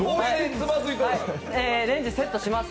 レンジ、セットします。